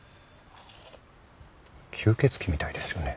吸血鬼みたいですよね。